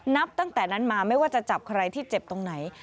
นับตั้งแต่นั้นมาไม่ว่าจะจับใครที่เจ็บตรงไหน